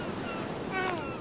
うん。